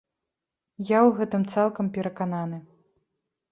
Я у гэтым цалкам перакананы.